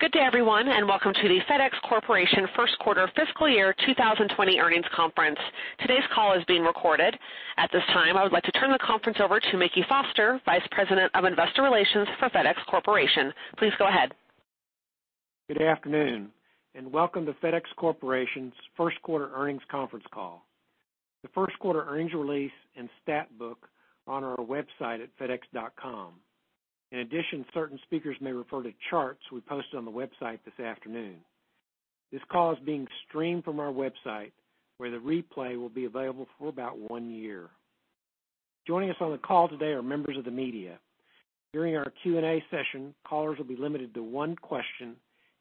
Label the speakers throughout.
Speaker 1: Good day everyone. Welcome to the FedEx Corporation first quarter fiscal year 2020 earnings conference. Today's call is being recorded. At this time, I would like to turn the conference over to Mickey Foster, Vice President of Investor Relations for FedEx Corporation. Please go ahead.
Speaker 2: Welcome to FedEx Corporation's first quarter earnings conference call. The first quarter earnings release and stat book are on our website at fedex.com. In addition, certain speakers may refer to charts we posted on the website this afternoon. This call is being streamed from our website, where the replay will be available for about one year. Joining us on the call today are members of the media. During our Q&A session, callers will be limited to one question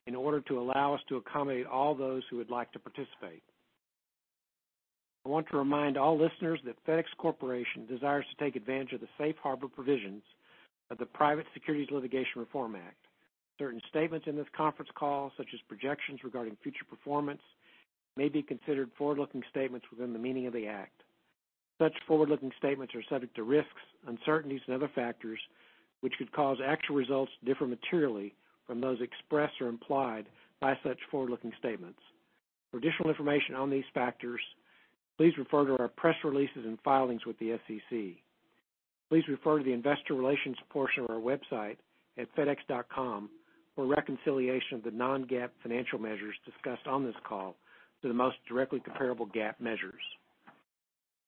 Speaker 2: in order to allow us to accommodate all those who would like to participate. I want to remind all listeners that FedEx Corporation desires to take advantage of the safe harbor provisions of the Private Securities Litigation Reform Act. Certain statements in this conference call, such as projections regarding future performance, may be considered forward-looking statements within the meaning of the act. Such forward-looking statements are subject to risks, uncertainties, and other factors which could cause actual results to differ materially from those expressed or implied by such forward-looking statements. For additional information on these factors, please refer to our press releases and filings with the SEC. Please refer to the investor relations portion of our website at fedex.com for reconciliation of the non-GAAP financial measures discussed on this call to the most directly comparable GAAP measures.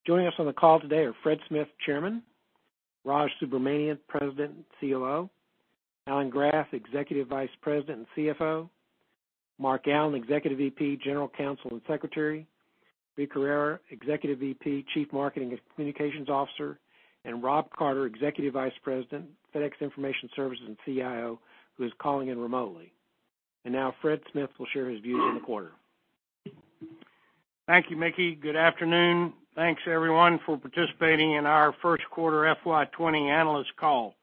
Speaker 2: Joining us on the call today are Fred Smith, Chairman, Raj Subramaniam, President and COO, Alan Graf, Executive Vice President and CFO, Mark Allen, Executive VP, General Counsel, and Secretary, Brie Carere, Executive VP, Chief Marketing and Communications Officer, and Rob Carter, Executive Vice President, FedEx Information Services and CIO, who is calling in remotely. Now Fred Smith will share his views on the quarter.
Speaker 3: Thank you, Mickey. Good afternoon. Thanks everyone for participating in our first quarter FY 2020 analyst call.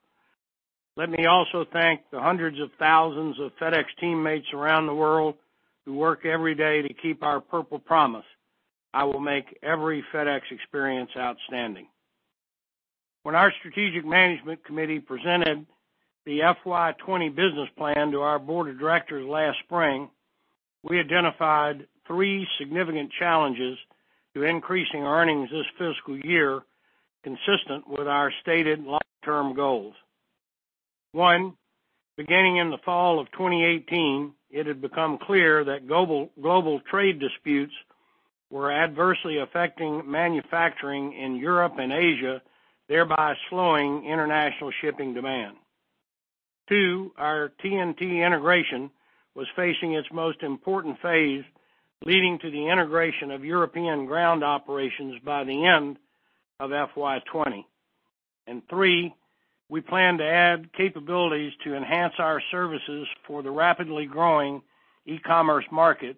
Speaker 3: Let me also thank the hundreds of thousands of FedEx teammates around the world who work every day to keep our Purple Promise: "I will make every FedEx experience outstanding." When our strategic management committee presented the FY 2020 business plan to our board of directors last spring, we identified three significant challenges to increasing earnings this fiscal year consistent with our stated long-term goals. One, beginning in the fall of 2018, it had become clear that global trade disputes were adversely affecting manufacturing in Europe and Asia, thereby slowing international shipping demand. Two, our TNT integration was facing its most important phase, leading to the integration of European ground operations by the end of FY 2020. Three, we plan to add capabilities to enhance our services for the rapidly growing e-commerce market,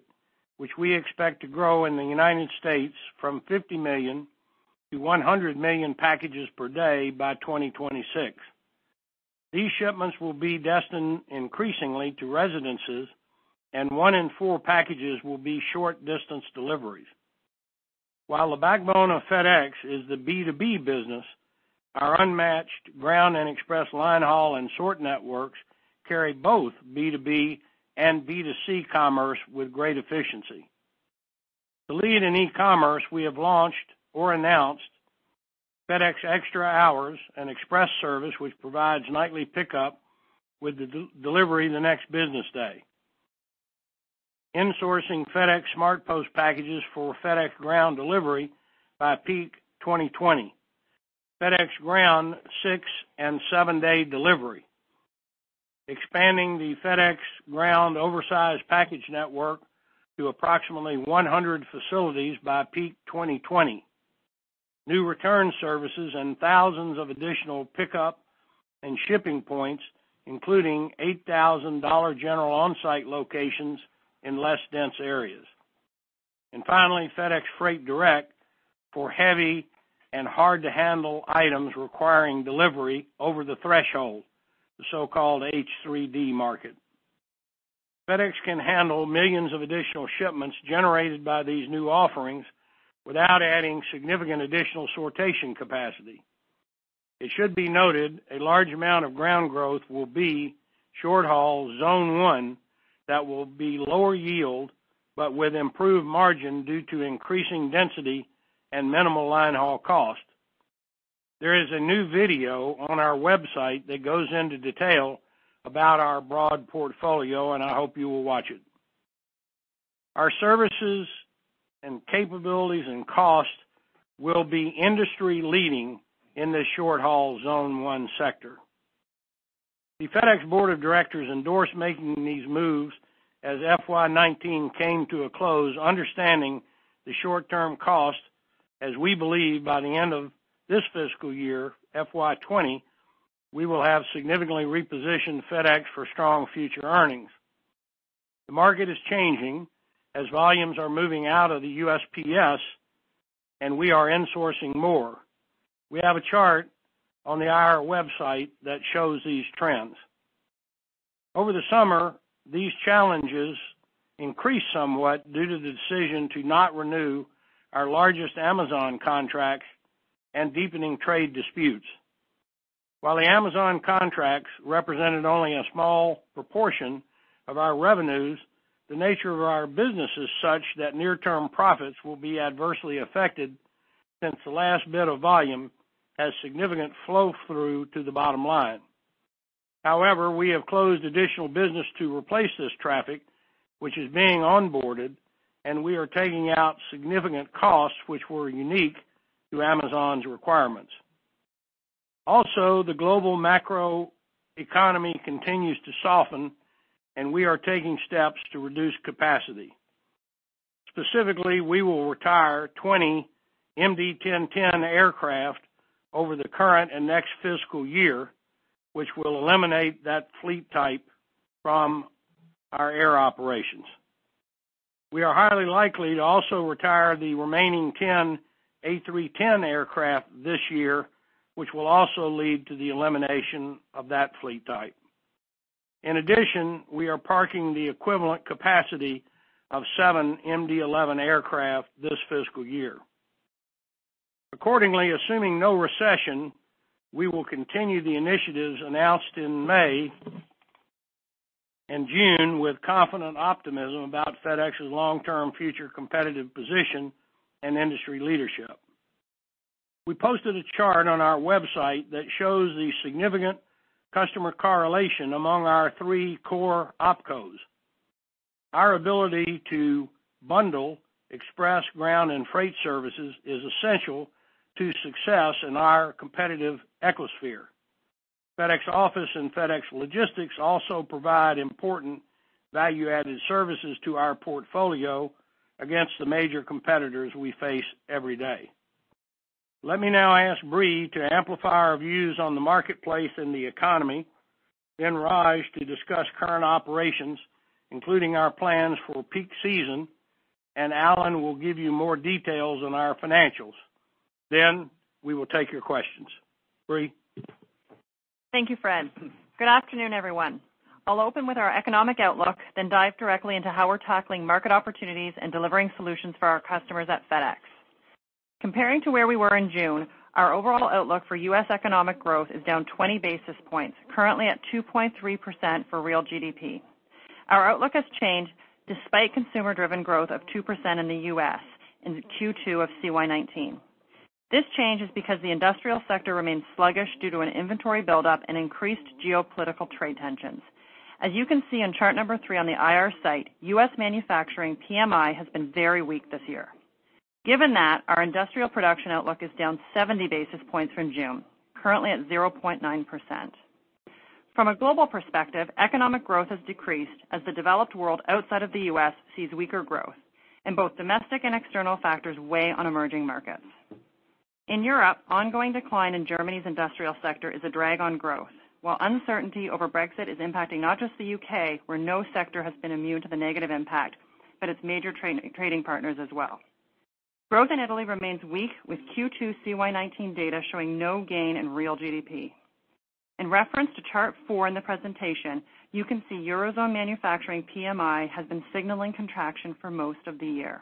Speaker 3: which we expect to grow in the U.S. from 50 million to 100 million packages per day by 2026. These shipments will be destined increasingly to residences, and one in four packages will be short-distance deliveries. While the backbone of FedEx is the B2B business, our unmatched Ground and Express line haul and sort networks carry both B2B and B2C commerce with great efficiency. To lead in e-commerce, we have launched or announced FedEx Extra Hours, an express service which provides nightly pickup with the delivery the next business day. Insourcing FedEx SmartPost packages for FedEx Ground delivery by peak 2020. FedEx Ground six- and seven-day delivery. Expanding the FedEx Ground oversized package network to approximately 100 facilities by peak 2020. New return services and thousands of additional pickup and shipping points, including 8,000 Dollar General on-site locations in less dense areas. Finally, FedEx Freight Direct for heavy and hard-to-handle items requiring delivery over the threshold, the so-called H3D market. FedEx can handle millions of additional shipments generated by these new offerings without adding significant additional sortation capacity. It should be noted a large amount of ground growth will be short haul Zone 1 that will be lower yield but with improved margin due to increasing density and minimal line haul cost. There is a new video on our fedex.com that goes into detail about our broad portfolio, and I hope you will watch it. Our services and capabilities and cost will be industry-leading in this short haul Zone 1 sector. The FedEx Board of Directors endorsed making these moves as FY 2019 came to a close, understanding the short-term cost as we believe by the end of this fiscal year, FY 2020, we will have significantly repositioned FedEx for strong future earnings. The market is changing as volumes are moving out of the USPS, and we are insourcing more. We have a chart on the IR website that shows these trends. Over the summer, these challenges increased somewhat due to the decision to not renew our largest Amazon contract. Deepening trade disputes. While the Amazon contracts represented only a small proportion of our revenues, the nature of our business is such that near-term profits will be adversely affected, since the last bit of volume has significant flow-through to the bottom line. However, we have closed additional business to replace this traffic, which is being onboarded, and we are taking out significant costs, which were unique to Amazon's requirements. Also, the global macroeconomy continues to soften, and we are taking steps to reduce capacity. Specifically, we will retire 20 MD-10-10 aircraft over the current and next fiscal year, which will eliminate that fleet type from our air operations. We are highly likely to also retire the remaining 10 A310 aircraft this year, which will also lead to the elimination of that fleet type. In addition, we are parking the equivalent capacity of 7 MD-11 aircraft this fiscal year. Accordingly, assuming no recession, we will continue the initiatives announced in May and June with confident optimism about FedEx's long-term future competitive position and industry leadership. We posted a chart on our website that shows the significant customer correlation among our three core OpCos. Our ability to bundle express ground and freight services is essential to success in our competitive ecosphere. FedEx Office and FedEx Logistics also provide important value-added services to our portfolio against the major competitors we face every day. Let me now ask Brie to amplify our views on the marketplace and the economy, then Raj to discuss current operations, including our plans for peak season, and Alan will give you more details on our financials. We will take your questions. Brie?
Speaker 4: Thank you, Fred. Good afternoon, everyone. I'll open with our economic outlook, then dive directly into how we're tackling market opportunities and delivering solutions for our customers at FedEx. Comparing to where we were in June, our overall outlook for U.S. economic growth is down 20 basis points, currently at 2.3% for real GDP. Our outlook has changed despite consumer-driven growth of 2% in the U.S. in Q2 of CY 2019. This change is because the industrial sector remains sluggish due to an inventory buildup and increased geopolitical trade tensions. As you can see in chart number three on the IR site, U.S. manufacturing PMI has been very weak this year. Given that, our industrial production outlook is down 70 basis points from June, currently at 0.9%. From a global perspective, economic growth has decreased as the developed world outside of the U.S. sees weaker growth, and both domestic and external factors weigh on emerging markets. In Europe, ongoing decline in Germany's industrial sector is a drag on growth, while uncertainty over Brexit is impacting not just the U.K., where no sector has been immune to the negative impact, but its major trading partners as well. Growth in Italy remains weak, with Q2 CY 2019 data showing no gain in real GDP. In reference to chart four in the presentation, you can see Eurozone manufacturing PMI has been signaling contraction for most of the year.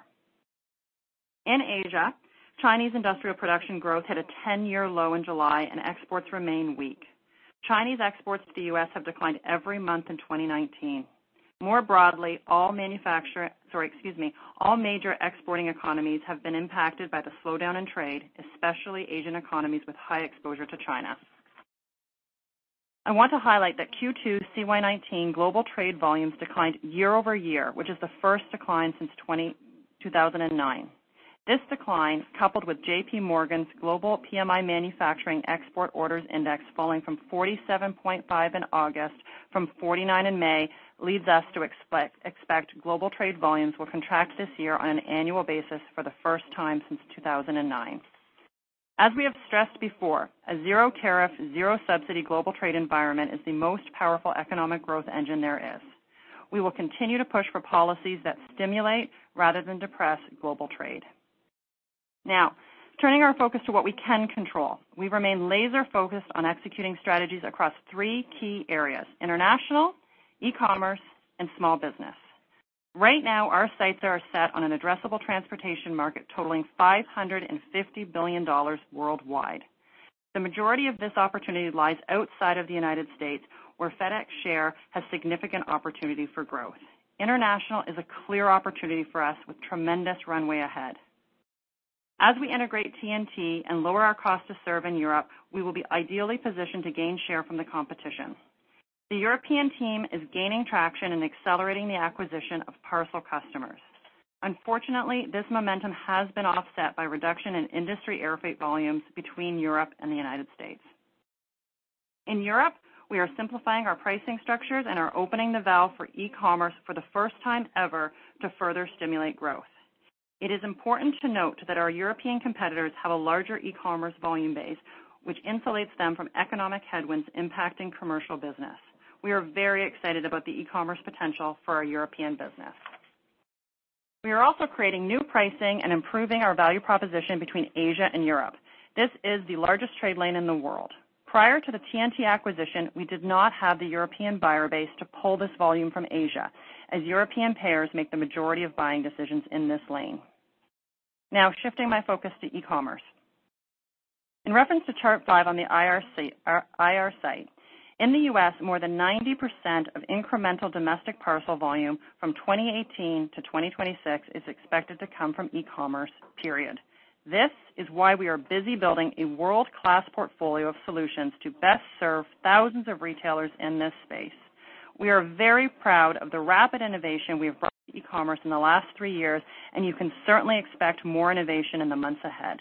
Speaker 4: In Asia, Chinese industrial production growth hit a 10-year low in July, and exports remain weak. Chinese exports to the U.S. have declined every month in 2019. More broadly, sorry, excuse me. All major exporting economies have been impacted by the slowdown in trade, especially Asian economies with high exposure to China. I want to highlight that Q2 CY 2019 global trade volumes declined year-over-year, which is the first decline since 2009. This decline, coupled with JPMorgan's Global PMI Manufacturing Export Orders Index falling from 47.5 in August from 49 in May, leads us to expect global trade volumes will contract this year on an annual basis for the first time since 2009. As we have stressed before, a zero tariff, zero subsidy global trade environment is the most powerful economic growth engine there is. We will continue to push for policies that stimulate rather than depress global trade. Now, turning our focus to what we can control. We remain laser focused on executing strategies across three key areas: international, e-commerce, and small business. Right now, our sights are set on an addressable transportation market totaling $550 billion worldwide. The majority of this opportunity lies outside of the U.S., where FedEx share has significant opportunity for growth. International is a clear opportunity for us with tremendous runway ahead. As we integrate TNT and lower our cost to serve in Europe, we will be ideally positioned to gain share from the competition. The European team is gaining traction and accelerating the acquisition of parcel customers. Unfortunately, this momentum has been offset by reduction in industry air freight volumes between Europe and the U.S. In Europe, we are simplifying our pricing structures and are opening the valve for e-commerce for the first time ever to further stimulate growth. It is important to note that our European competitors have a larger e-commerce volume base, which insulates them from economic headwinds impacting commercial business. We are very excited about the e-commerce potential for our European business. We are also creating new pricing and improving our value proposition between Asia and Europe. This is the largest trade lane in the world. Prior to the TNT acquisition, we did not have the European buyer base to pull this volume from Asia, as European payers make the majority of buying decisions in this lane. Now shifting my focus to e-commerce. In reference to Chart Five on the IR site, in the U.S., more than 90% of incremental domestic parcel volume from 2018 to 2026 is expected to come from e-commerce, period. This is why we are busy building a world-class portfolio of solutions to best serve thousands of retailers in this space. We are very proud of the rapid innovation we've brought to e-commerce in the last three years. You can certainly expect more innovation in the months ahead.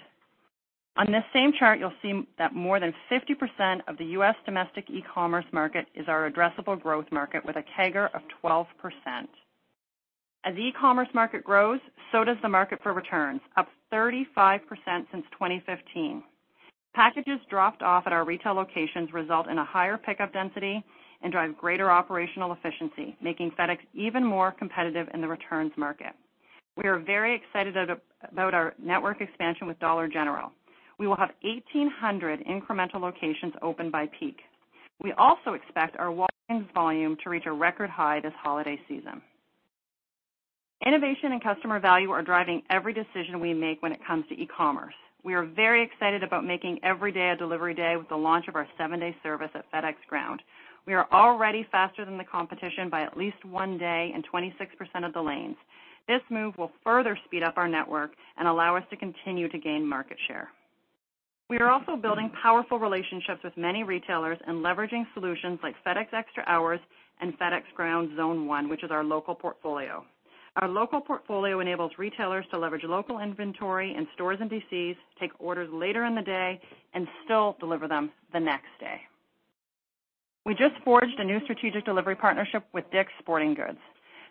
Speaker 4: On this same chart, you'll see that more than 50% of the U.S. domestic e-commerce market is our addressable growth market, with a CAGR of 12%. As the e-commerce market grows, so does the market for returns, up 35% since 2015. Packages dropped off at our retail locations result in a higher pickup density and drive greater operational efficiency, making FedEx even more competitive in the returns market. We are very excited about our network expansion with Dollar General. We will have 1,800 incremental locations open by peak. We also expect our walk-ins volume to reach a record high this holiday season. Innovation and customer value are driving every decision we make when it comes to e-commerce. We are very excited about making every day a delivery day with the launch of our seven-day service at FedEx Ground. We are already faster than the competition by at least one day in 26% of the lanes. This move will further speed up our network and allow us to continue to gain market share. We are also building powerful relationships with many retailers and leveraging solutions like FedEx Extra Hours and FedEx Ground Zone 1, which is our local portfolio. Our local portfolio enables retailers to leverage local inventory in stores and DCs, take orders later in the day, and still deliver them the next day. We just forged a new strategic delivery partnership with DICK'S Sporting Goods.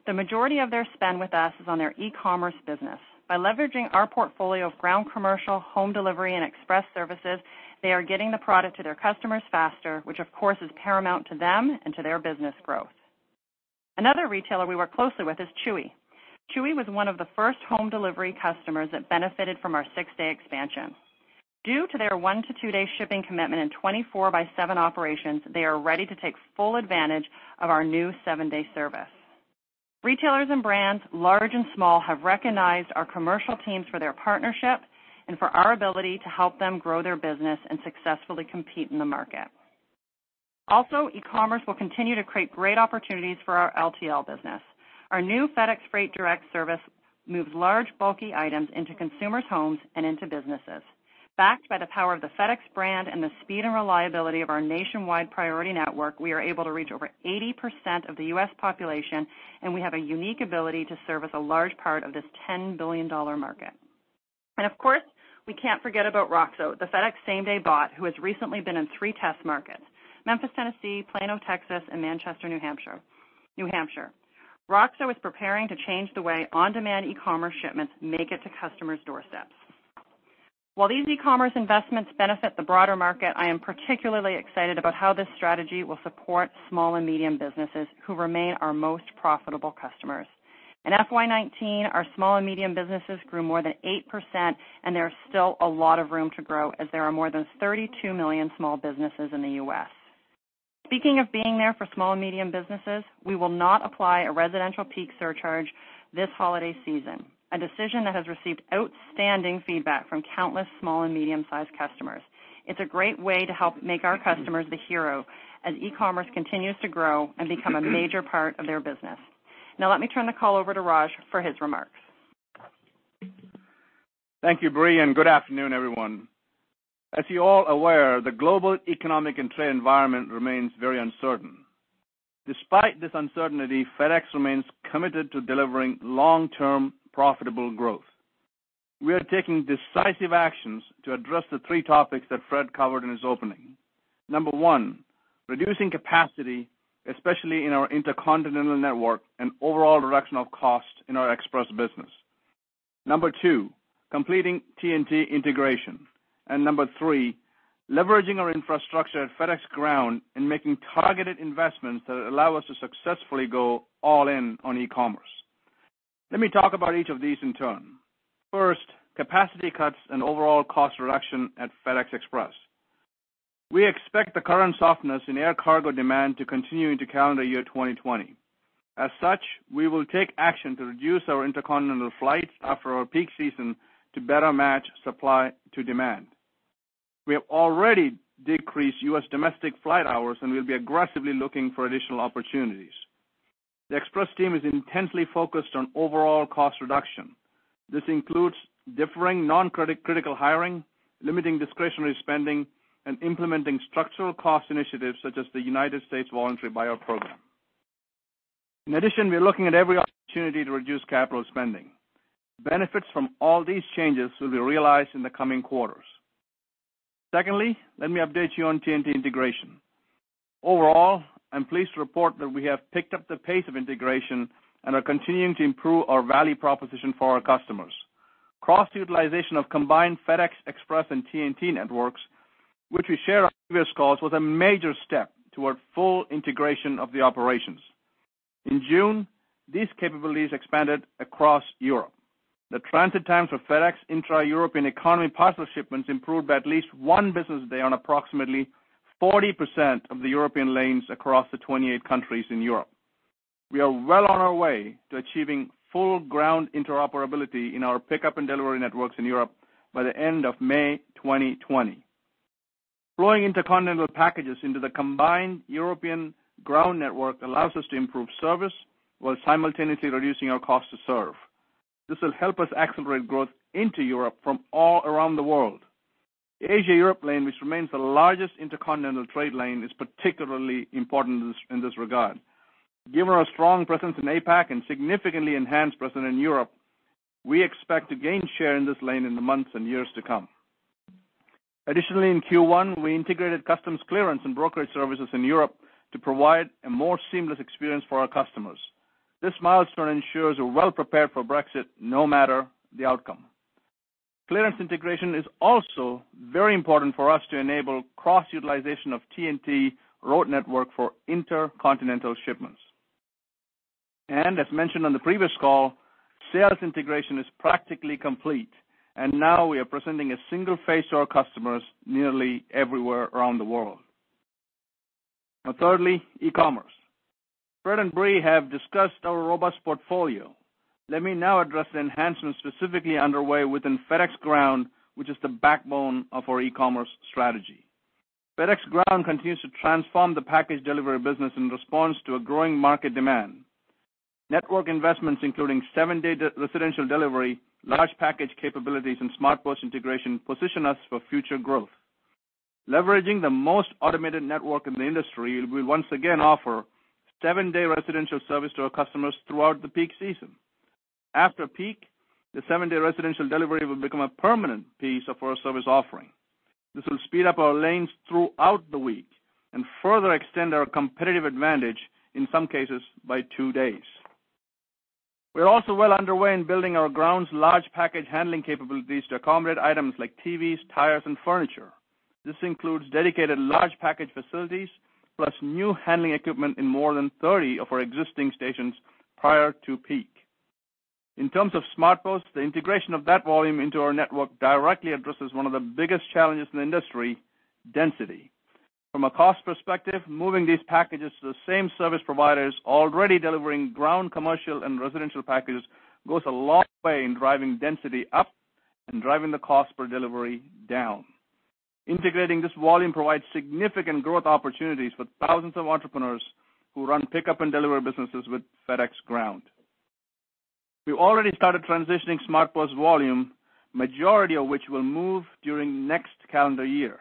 Speaker 4: The majority of their spend with us is on their e-commerce business. By leveraging our portfolio of ground commercial, home delivery, and express services, they are getting the product to their customers faster, which of course is paramount to them and to their business growth. Another retailer we work closely with is Chewy. Chewy was one of the first home delivery customers that benefited from our 6-day expansion. Due to their 1-to-2-day shipping commitment and 24 by 7 operations, they are ready to take full advantage of our new 7-day service. Retailers and brands, large and small, have recognized our commercial teams for their partnership and for our ability to help them grow their business and successfully compete in the market. E-commerce will continue to create great opportunities for our LTL business. Our new FedEx Freight Direct service moves large bulky items into consumers' homes and into businesses. Backed by the power of the FedEx brand and the speed and reliability of our nationwide priority network, we are able to reach over 80% of the U.S. population, and we have a unique ability to service a large part of this $10 billion market. Of course, we can't forget about Roxo, the FedEx same-day bot, who has recently been in three test markets, Memphis, Tennessee, Plano, Texas, and Manchester, New Hampshire. Roxo is preparing to change the way on-demand e-commerce shipments make it to customers' doorsteps. While these e-commerce investments benefit the broader market, I am particularly excited about how this strategy will support small and medium businesses who remain our most profitable customers. In FY 2019, our small and medium businesses grew more than 8%. There is still a lot of room to grow as there are more than 32 million small businesses in the U.S. Speaking of being there for small and medium businesses, we will not apply a residential peak surcharge this holiday season, a decision that has received outstanding feedback from countless small and medium-sized customers. It's a great way to help make our customers the hero as e-commerce continues to grow and become a major part of their business. Now let me turn the call over to Raj for his remarks.
Speaker 5: Thank you, Brie, and good afternoon, everyone. As you're all aware, the global economic and trade environment remains very uncertain. Despite this uncertainty, FedEx remains committed to delivering long-term profitable growth. We are taking decisive actions to address the three topics that Fred covered in his opening. Number one, reducing capacity, especially in our intercontinental network and overall reduction of cost in our Express business. Number two, completing TNT integration. Number three, leveraging our infrastructure at FedEx Ground and making targeted investments that allow us to successfully go all in on e-commerce. Let me talk about each of these in turn. First, capacity cuts and overall cost reduction at FedEx Express. We expect the current softness in air cargo demand to continue into calendar year 2020. As such, we will take action to reduce our intercontinental flights after our peak season to better match supply to demand. We have already decreased U.S. domestic flight hours, and we'll be aggressively looking for additional opportunities. The Express team is intensely focused on overall cost reduction. This includes deferring non-critical hiring, limiting discretionary spending, and implementing structural cost initiatives such as the United States Voluntary Buyout Program. In addition, we are looking at every opportunity to reduce capital spending. Benefits from all these changes will be realized in the coming quarters. Secondly, let me update you on TNT integration. Overall, I'm pleased to report that we have picked up the pace of integration and are continuing to improve our value proposition for our customers. Cross-utilization of combined FedEx Express and TNT networks, which we shared on previous calls, was a major step toward full integration of the operations. In June, these capabilities expanded across Europe. The transit times for FedEx intra-European economy parcel shipments improved by at least one business day on approximately 40% of the European lanes across the 28 countries in Europe. We are well on our way to achieving full ground interoperability in our pickup and delivery networks in Europe by the end of May 2020. Flowing intercontinental packages into the combined European ground network allows us to improve service while simultaneously reducing our cost to serve. This will help us accelerate growth into Europe from all around the world. The Asia/Europe lane, which remains the largest intercontinental trade lane, is particularly important in this regard. Given our strong presence in APAC and significantly enhanced presence in Europe, we expect to gain share in this lane in the months and years to come. Additionally, in Q1, we integrated customs clearance and brokerage services in Europe to provide a more seamless experience for our customers. This milestone ensures we're well prepared for Brexit, no matter the outcome. Clearance integration is also very important for us to enable cross-utilization of TNT road network for intercontinental shipments. As mentioned on the previous call, sales integration is practically complete, and now we are presenting a single face to our customers nearly everywhere around the world. Now thirdly, e-commerce. Fred and Brie have discussed our robust portfolio. Let me now address the enhancements specifically underway within FedEx Ground, which is the backbone of our e-commerce strategy. FedEx Ground continues to transform the package delivery business in response to a growing market demand. Network investments, including seven-day residential delivery, large package capabilities, and SmartPost integration, position us for future growth. Leveraging the most automated network in the industry, we once again offer seven-day residential service to our customers throughout the peak season. After peak, the seven-day residential delivery will become a permanent piece of our service offering. This will speed up our lanes throughout the week and further extend our competitive advantage, in some cases, by two days. We're also well underway in building our Ground's large package handling capabilities to accommodate items like TVs, tires, and furniture. This includes dedicated large package facilities, plus new handling equipment in more than 30 of our existing stations prior to peak. In terms of SmartPost, the integration of that volume into our network directly addresses one of the biggest challenges in the industry, density. From a cost perspective, moving these packages to the same service providers already delivering Ground commercial and residential packages goes a long way in driving density up and driving the cost per delivery down. Integrating this volume provides significant growth opportunities for thousands of entrepreneurs who run pickup and delivery businesses with FedEx Ground. We already started transitioning SmartPost volume, majority of which will move during next calendar year.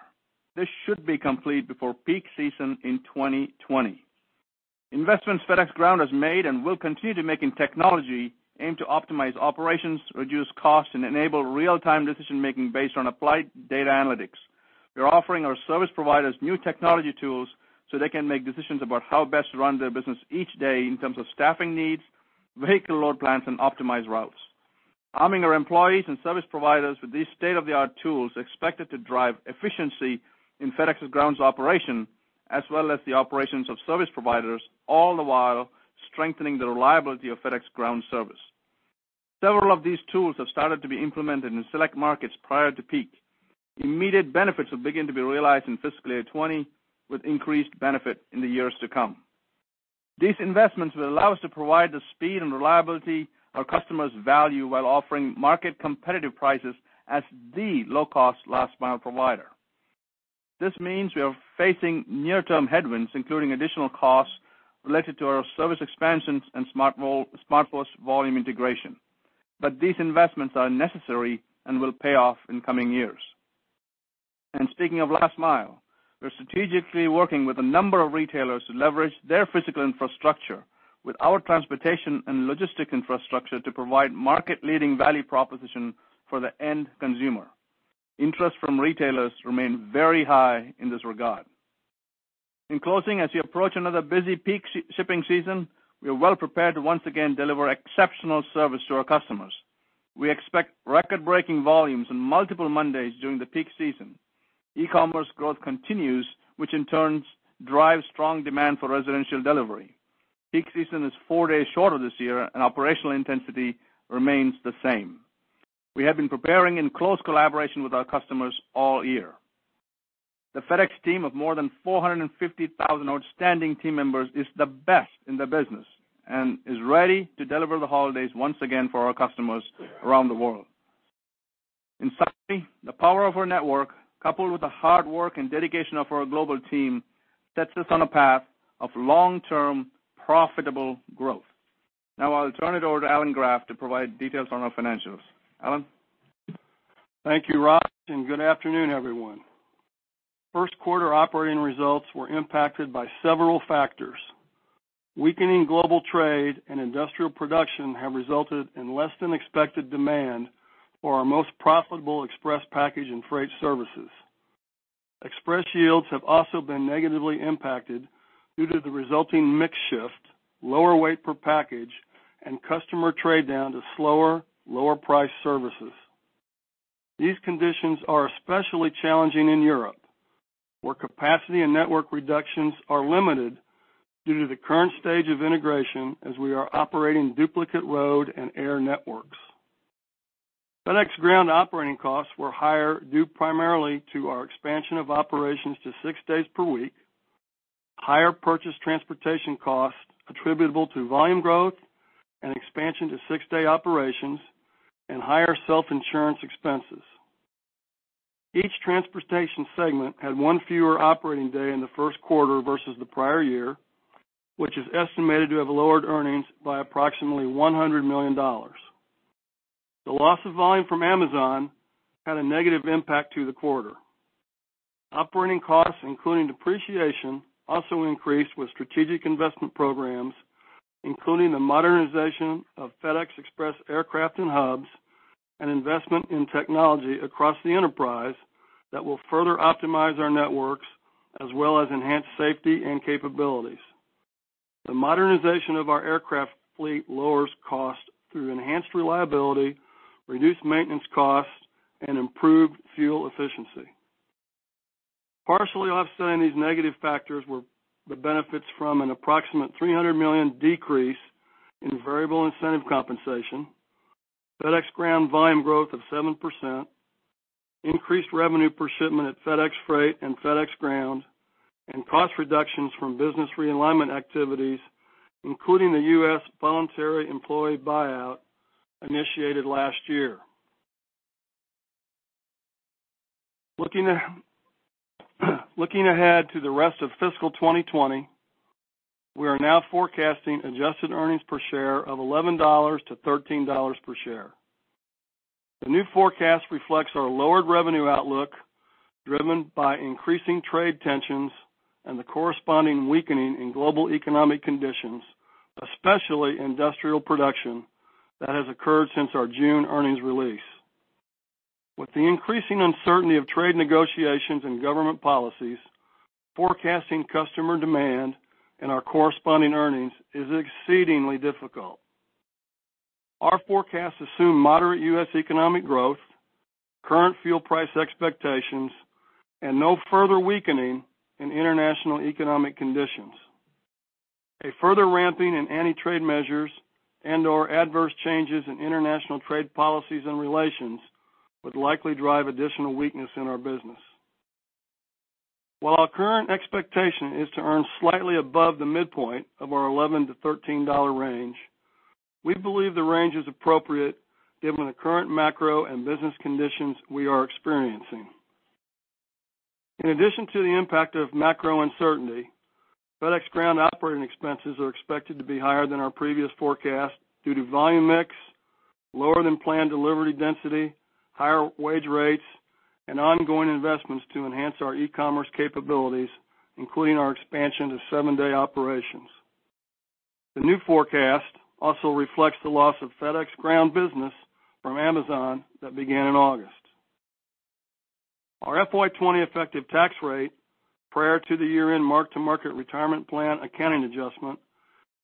Speaker 5: This should be complete before peak season in 2020. Investments FedEx Ground has made and will continue to make in technology aim to optimize operations, reduce costs, and enable real-time decision-making based on applied data analytics. We're offering our service providers new technology tools so they can make decisions about how best to run their business each day in terms of staffing needs, vehicle load plans, and optimized routes. Arming our employees and service providers with these state-of-the-art tools are expected to drive efficiency in FedEx Ground's operation, as well as the operations of service providers, all the while strengthening the reliability of FedEx Ground service. Several of these tools have started to be implemented in select markets prior to peak. Immediate benefits will begin to be realized in fiscal year 2020, with increased benefit in the years to come. These investments will allow us to provide the speed and reliability our customers value while offering market-competitive prices as the low-cost last mile provider. These investments are necessary and will pay off in coming years. Speaking of last mile, we're strategically working with a number of retailers to leverage their physical infrastructure with our transportation and logistics infrastructure to provide market-leading value proposition for the end consumer. Interest from retailers remain very high in this regard. In closing, as we approach another busy peak shipping season, we are well prepared to once again deliver exceptional service to our customers. We expect record-breaking volumes on multiple Mondays during the peak season. E-commerce growth continues, which in turn drives strong demand for residential delivery. Peak season is four days shorter this year, and operational intensity remains the same. We have been preparing in close collaboration with our customers all year. The FedEx team of more than 450,000 outstanding team members is the best in the business and is ready to deliver the holidays once again for our customers around the world. In summary, the power of our network, coupled with the hard work and dedication of our global team, sets us on a path of long-term, profitable growth. Now I'll turn it over to Alan Graf to provide details on our financials. Alan?
Speaker 6: Thank you, Raj, good afternoon, everyone. First quarter operating results were impacted by several factors. Weakening global trade and industrial production have resulted in less than expected demand for our most profitable Express package and freight services. Express yields have also been negatively impacted due to the resulting mix shift, lower weight per package, and customer trade down to slower, lower-priced services. These conditions are especially challenging in Europe, where capacity and network reductions are limited due to the current stage of integration as we are operating duplicate road and air networks. FedEx Ground operating costs were higher, due primarily to our expansion of operations to six days per week, higher purchase transportation costs attributable to volume growth and expansion to six-day operations, and higher self-insurance expenses. Each transportation segment had one fewer operating day in the first quarter versus the prior year, which is estimated to have lowered earnings by approximately $100 million. The loss of volume from Amazon had a negative impact to the quarter. Operating costs, including depreciation, also increased with strategic investment programs, including the modernization of FedEx Express aircraft and hubs and investment in technology across the enterprise that will further optimize our networks, as well as enhance safety and capabilities. The modernization of our aircraft fleet lowers costs through enhanced reliability, reduced maintenance costs, and improved fuel efficiency. Partially offsetting these negative factors were the benefits from an approximate $300 million decrease in variable incentive compensation, FedEx Ground volume growth of 7%, increased revenue per shipment at FedEx Freight and FedEx Ground, and cost reductions from business realignment activities, including the U.S. Voluntary Employee Buyout initiated last year. Looking ahead to the rest of fiscal 2020, we are now forecasting adjusted earnings per share of $11-$13 per share. The new forecast reflects our lowered revenue outlook, driven by increasing trade tensions and the corresponding weakening in global economic conditions, especially industrial production, that has occurred since our June earnings release. With the increasing uncertainty of trade negotiations and government policies, forecasting customer demand and our corresponding earnings is exceedingly difficult. Our forecasts assume moderate U.S. economic growth, current fuel price expectations, and no further weakening in international economic conditions. A further ramping in anti-trade measures and/or adverse changes in international trade policies and relations would likely drive additional weakness in our business. While our current expectation is to earn slightly above the midpoint of our $11-$13 range, we believe the range is appropriate given the current macro and business conditions we are experiencing. In addition to the impact of macro uncertainty, FedEx Ground operating expenses are expected to be higher than our previous forecast due to volume mix, lower-than-planned delivery density, higher wage rates, and ongoing investments to enhance our e-commerce capabilities, including our expansion to seven-day operations. The new forecast also reflects the loss of FedEx Ground business from Amazon that began in August. Our FY 2020 effective tax rate, prior to the year-end mark-to-market retirement plan accounting adjustment,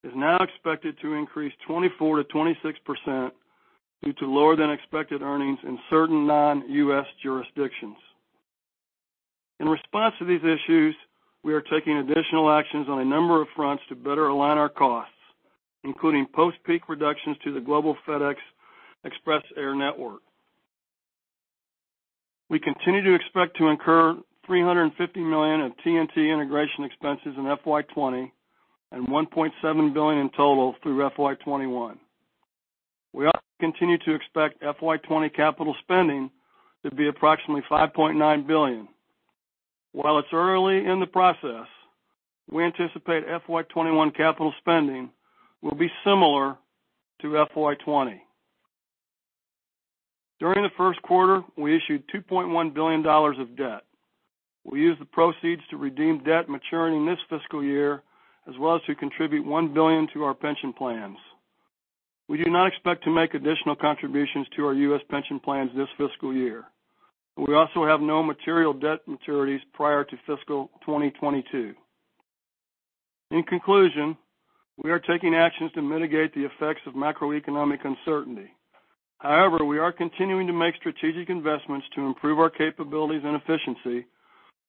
Speaker 6: is now expected to increase 24%-26% due to lower-than-expected earnings in certain non-U.S. jurisdictions. In response to these issues, we are taking additional actions on a number of fronts to better align our costs, including post-peak reductions to the global FedEx Express air network. We continue to expect to incur $350 million of TNT integration expenses in FY 2020 and $1.7 billion in total through FY 2021. We also continue to expect FY 2020 capital spending to be approximately $5.9 billion. While it's early in the process, we anticipate FY 2021 capital spending will be similar to FY 2020. During the first quarter, we issued $2.1 billion of debt. We used the proceeds to redeem debt maturing this fiscal year, as well as to contribute $1 billion to our pension plans. We do not expect to make additional contributions to our U.S. pension plans this fiscal year. We also have no material debt maturities prior to fiscal 2022. In conclusion, we are taking actions to mitigate the effects of macroeconomic uncertainty. We are continuing to make strategic investments to improve our capabilities and efficiency,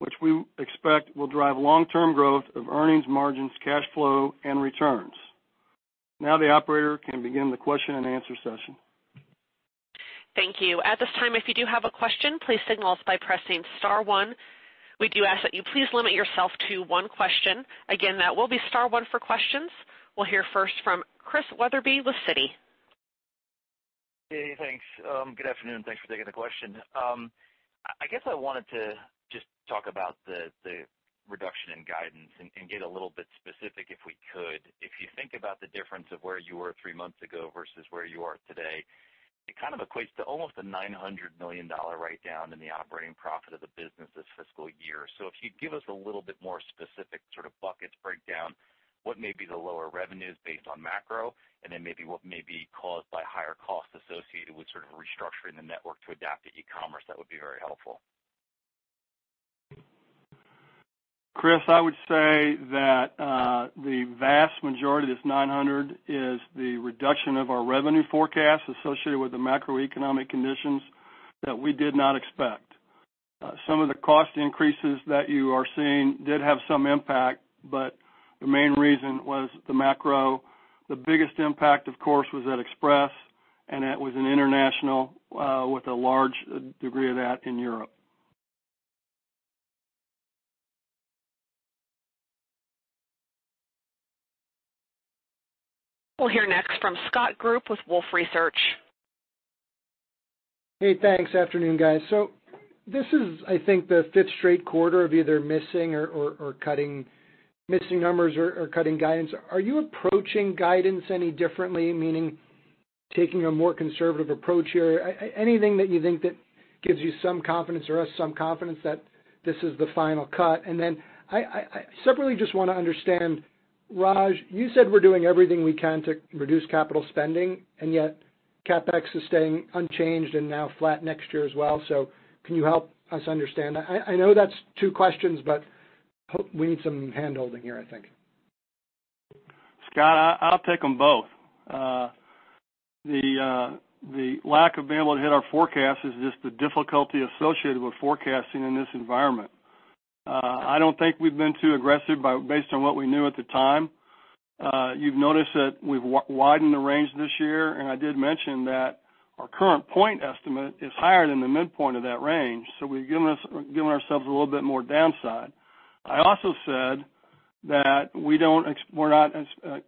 Speaker 6: which we expect will drive long-term growth of earnings margins, cash flow, and returns. The operator can begin the question and answer session.
Speaker 1: Thank you. At this time, if you do have a question, please signal us by pressing star one. We do ask that you please limit yourself to one question. Again, that will be star one for questions. We'll hear first from Christian Wetherbee with Citi.
Speaker 7: Hey, thanks. Good afternoon. Thanks for taking the question. I guess I wanted to just talk about the reduction in guidance and get a little bit specific if we could. If you think about the difference of where you were three months ago versus where you are today, it kind of equates to almost a $900 million write-down in the operating profit of the business this fiscal year. If you'd give us a little bit more specific sort of buckets breakdown, what may be the lower revenues based on macro, and then maybe what may be caused by higher costs associated with sort of restructuring the network to adapt to e-commerce, that would be very helpful.
Speaker 6: Chris, I would say that the vast majority of this $900 is the reduction of our revenue forecast associated with the macroeconomic conditions that we did not expect. Some of the cost increases that you are seeing did have some impact, but the main reason was the macro. The biggest impact, of course, was at Express, and it was in international with a large degree of that in Europe.
Speaker 1: We'll hear next from Scott Group with Wolfe Research.
Speaker 8: Hey, thanks. Afternoon, guys. This is, I think, the fifth straight quarter of either missing numbers or cutting guidance. Are you approaching guidance any differently, meaning taking a more conservative approach here? Anything that you think that gives you some confidence or us some confidence that this is the final cut? Separately, just want to understand, Raj, you said we're doing everything we can to reduce capital spending, and yet CapEx is staying unchanged and now flat next year as well. Can you help us understand that? I know that's two questions, but we need some handholding here, I think.
Speaker 6: Scott, I'll take them both. The lack of being able to hit our forecast is just the difficulty associated with forecasting in this environment. I don't think we've been too aggressive based on what we knew at the time. You've noticed that we've widened the range this year, and I did mention that our current point estimate is higher than the midpoint of that range, so we've given ourselves a little bit more downside. I also said that we're not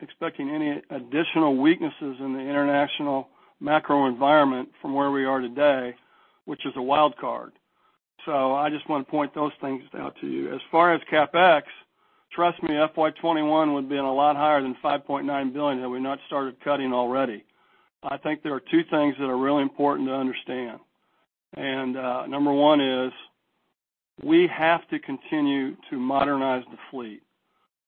Speaker 6: expecting any additional weaknesses in the international macro environment from where we are today, which is a wild card. I just want to point those things out to you. As far as CapEx, trust me, FY 2021 would have been a lot higher than $5.9 billion had we not started cutting already. I think there are two things that are really important to understand. Number one is we have to continue to modernize the fleet.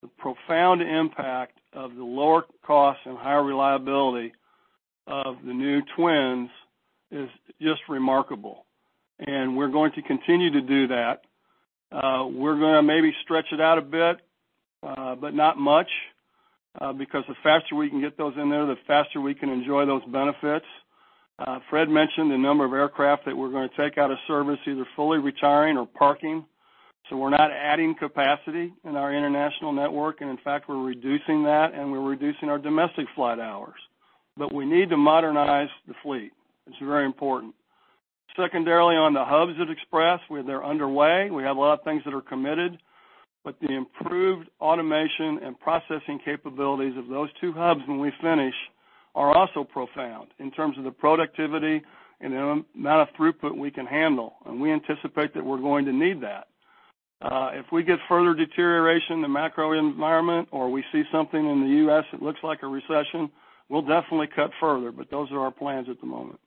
Speaker 6: The profound impact of the lower cost and higher reliability of the new Twins is just remarkable. We're going to continue to do that. We're going to maybe stretch it out a bit but not much because the faster we can get those in there, the faster we can enjoy those benefits. Fred mentioned the number of aircraft that we're going to take out of service, either fully retiring or parking. We're not adding capacity in our international network, and in fact, we're reducing that, and we're reducing our domestic flight hours. We need to modernize the fleet. It's very important. Secondarily, on the hubs at Express, they're underway. We have a lot of things that are committed, but the improved automation and processing capabilities of those two hubs when we finish are also profound in terms of the productivity and the amount of throughput we can handle. We anticipate that we're going to need that. If we get further deterioration in the macro environment or we see something in the U.S. that looks like a recession, we'll definitely cut further, but those are our plans at the moment.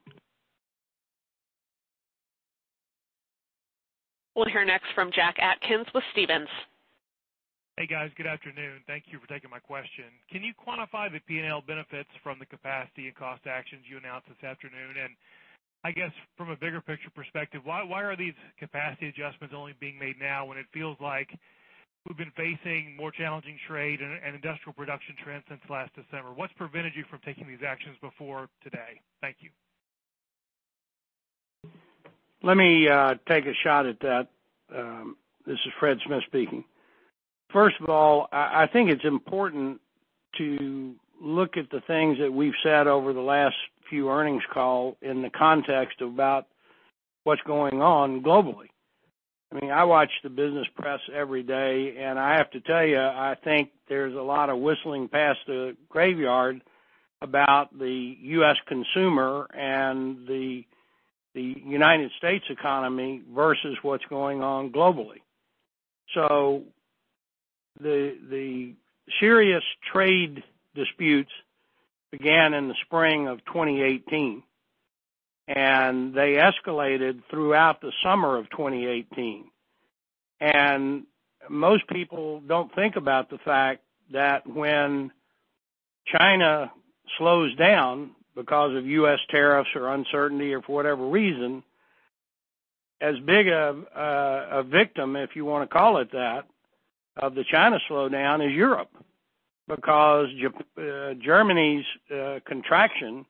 Speaker 1: We'll hear next from Jack Atkins with Stephens.
Speaker 9: Hey, guys. Good afternoon. Thank you for taking my question. Can you quantify the P&L benefits from the capacity and cost actions you announced this afternoon? I guess from a bigger picture perspective, why are these capacity adjustments only being made now when it feels like we've been facing more challenging trade and industrial production trends since last December? What's prevented you from taking these actions before today? Thank you.
Speaker 3: Let me take a shot at that. This is Fred Smith speaking. First of all, I think it's important to look at the things that we've said over the last few earnings call in the context about what's going on globally. I watch the business press every day, and I have to tell you, I think there's a lot of whistling past the graveyard about the U.S. consumer and the United States economy versus what's going on globally. The serious trade disputes began in the spring of 2018, and they escalated throughout the summer of 2018. Most people don't think about the fact that when China slows down because of U.S. tariffs or uncertainty or for whatever reason, as big of a victim, if you want to call it that, of the China slowdown is Europe because Germany's contraction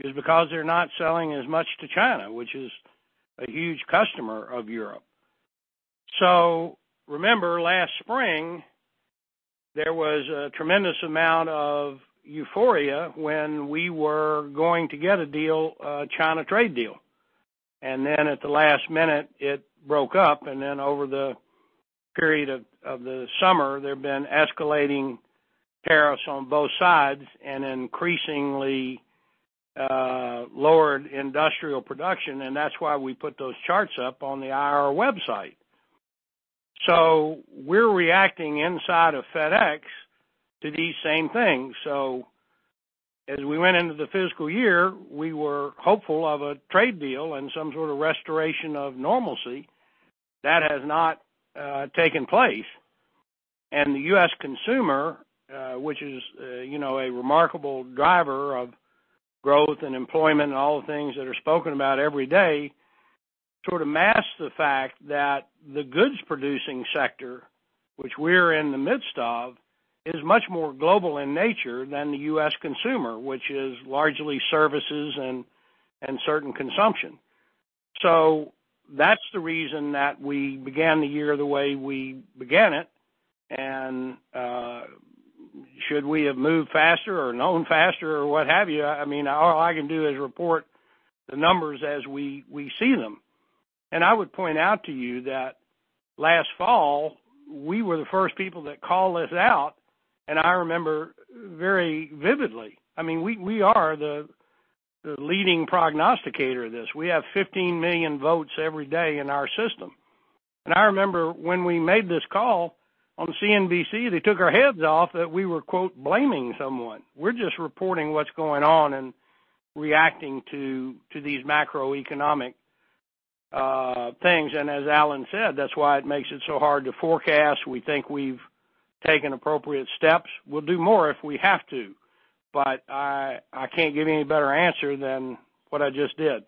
Speaker 3: is because they're not selling as much to China, which is a huge customer of Europe. Remember last spring, there was a tremendous amount of euphoria when we were going to get a deal, a China trade deal. Then at the last minute, it broke up, and then over the period of the summer, there have been escalating tariffs on both sides and increasingly lowered industrial production, and that's why we put those charts up on the IR website. We're reacting inside of FedEx to these same things. As we went into the fiscal year, we were hopeful of a trade deal and some sort of restoration of normalcy. That has not taken place. The U.S. consumer, which is a remarkable driver of growth and employment and all the things that are spoken about every day sort of mask the fact that the goods producing sector, which we're in the midst of, is much more global in nature than the U.S. consumer, which is largely services and certain consumption. That's the reason that we began the year the way we began it. Should we have moved faster or known faster or what have you? All I can do is report the numbers as we see them. I would point out to you that last fall, we were the first people that called this out, and I remember very vividly. We are the leading prognosticator of this. We have 15 million votes every day in our system. I remember when we made this call on CNBC, they took our heads off that we were, quote, "blaming someone." We're just reporting what's going on and reacting to these macroeconomic things. As Alan said, that's why it makes it so hard to forecast. We think we've taken appropriate steps. We'll do more if we have to. I can't give you any better answer than what I just did.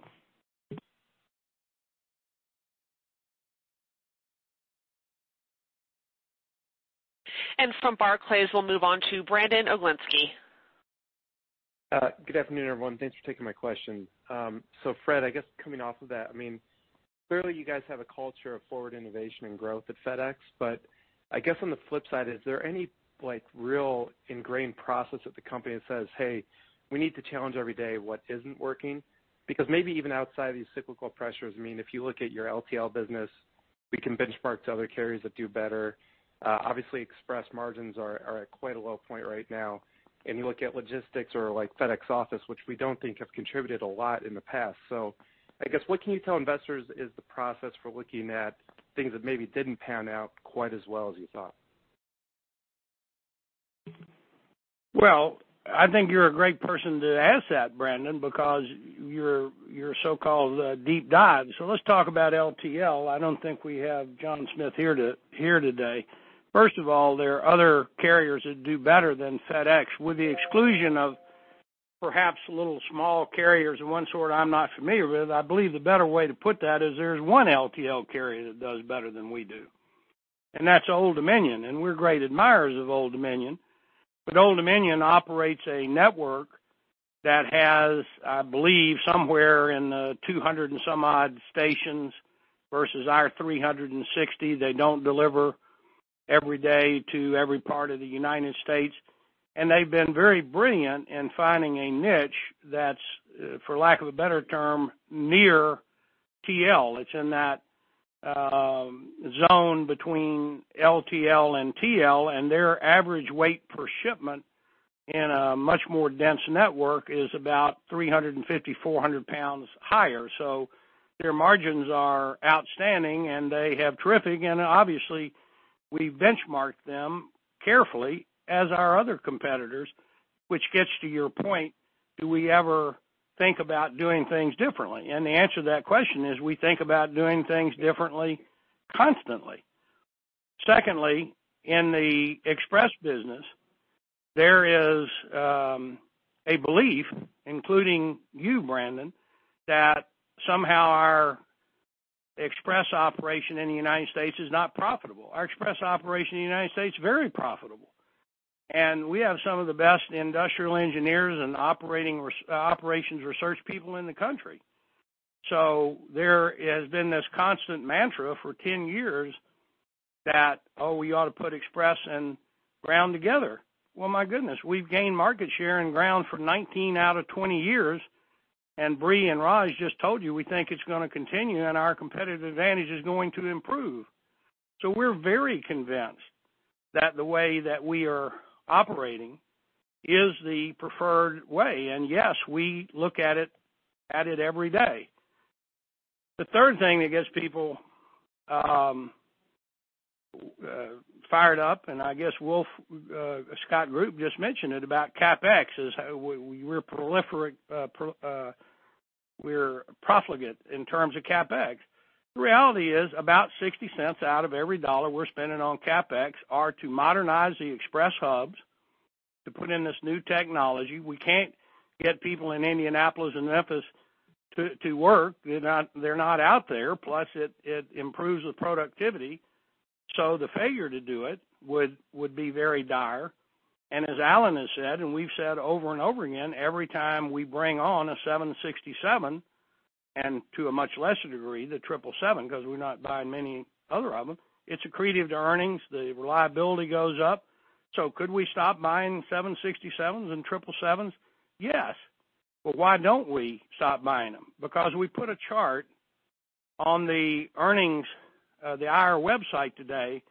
Speaker 1: From Barclays, we'll move on to Brandon Oglenski.
Speaker 10: Good afternoon, everyone. Thanks for taking my question. Fred, I guess coming off of that, clearly you guys have a culture of forward innovation and growth at FedEx. I guess on the flip side, is there any real ingrained process at the company that says, "Hey, we need to challenge every day what isn't working"? Maybe even outside of these cyclical pressures, if you look at your LTL business, we can benchmark to other carriers that do better. Obviously express margins are at quite a low point right now. You look at logistics or FedEx Office, which we don't think have contributed a lot in the past. I guess what can you tell investors is the process for looking at things that maybe didn't pan out quite as well as you thought?
Speaker 3: I think you're a great person to ask that, Brandon, because you're a so-called deep dive. Let's talk about LTL. I don't think we have John Smith here today. First of all, there are other carriers that do better than FedEx, with the exclusion of perhaps little small carriers of one sort I'm not familiar with. I believe the better way to put that is there is one LTL carrier that does better than we do, and that's Old Dominion. We're great admirers of Old Dominion. Old Dominion operates a network that has, I believe, somewhere in the 200 and some odd stations versus our 360. They don't deliver every day to every part of the United States. They've been very brilliant in finding a niche that's, for lack of a better term, near TL. It's in that zone between LTL and TL. Their average weight per shipment in a much more dense network is about 350, 400 pounds higher. Their margins are outstanding. Obviously we benchmark them carefully as our other competitors, which gets to your point, do we ever think about doing things differently? The answer to that question is, we think about doing things differently constantly. Secondly, in the Express business, there is a belief, including you, Brandon, that somehow our Express operation in the U.S. is not profitable. Our Express operation in the U.S. is very profitable. We have some of the best industrial engineers and operations research people in the country. There has been this constant mantra for 10 years that, oh, we ought to put Express and Ground together. Well, my goodness, we've gained market share and ground for 19 out of 20 years. Brie and Raj just told you we think it's going to continue and our competitive advantage is going to improve. We're very convinced that the way that we are operating is the preferred way. Yes, we look at it every day. The third thing that gets people fired up, and I guess Wolfe, Scott Group just mentioned it about CapEx, is we're profligate in terms of CapEx. The reality is about $0.60 out of every dollar we're spending on CapEx are to modernize the express hubs to put in this new technology. We can't get people in Indianapolis and Memphis to work. They're not out there. It improves the productivity. The failure to do it would be very dire. As Alan has said, we've said over and over again, every time we bring on a 767, and to a much lesser degree, the 777, because we're not buying many other of them, it's accretive to earnings. The reliability goes up. Could we stop buying 767s and 777s? Yes. Why don't we stop buying them? We put a chart on the IR website today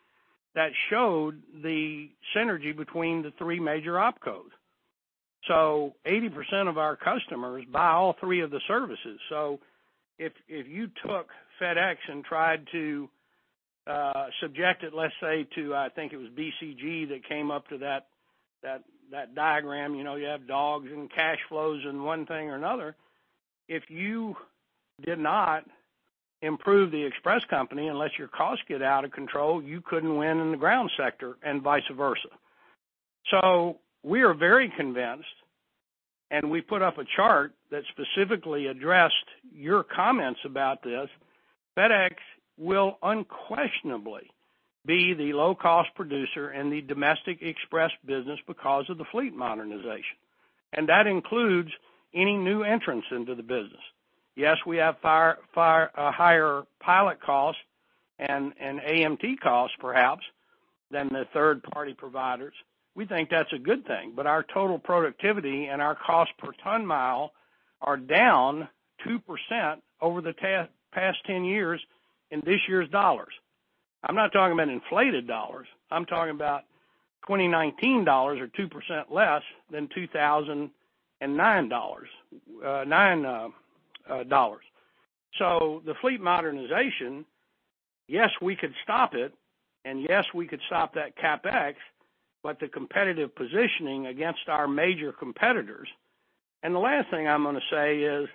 Speaker 3: that showed the synergy between the three major opcos. 80% of our customers buy all three of the services. If you took FedEx and tried to subject it, let's say, to I think it was BCG that came up to that diagram. You have dogs and cash flows and one thing or another. If you did not improve the Express company unless your costs get out of control, you couldn't win in the Ground sector and vice versa. We are very convinced, and we put up a chart that specifically addressed your comments about this. FedEx will unquestionably be the low-cost producer in the domestic Express business because of the fleet modernization, and that includes any new entrants into the business. Yes, we have higher pilot costs and AMT costs, perhaps, than the third-party providers. We think that's a good thing, but our total productivity and our cost per ton mile are down 2% over the past 10 years in this year's dollars. I'm not talking about inflated dollars. I'm talking about 2019 dollars or 2% less than 2009 dollars. The fleet modernization, yes, we could stop it, and yes, we could stop that CapEx, but the competitive positioning against our major competitors. The last thing I'm going to say is,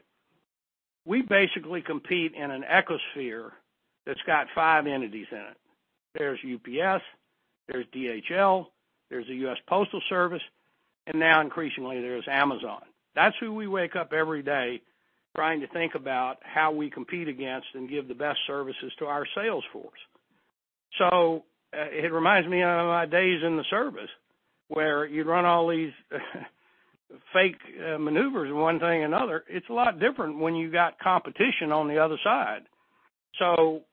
Speaker 3: we basically compete in an ecosphere that's got 5 entities in it. There's UPS, there's DHL, there's the U.S. Postal Service, and now increasingly there's Amazon. That's who we wake up every day trying to think about how we compete against and give the best services to our sales force. It reminds me of my days in the service, where you'd run all these fake maneuvers and one thing another. It's a lot different when you got competition on the other side.